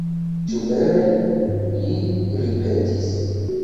Ĉu vere!? li ripetis.